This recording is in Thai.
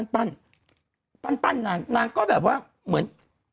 ปั้น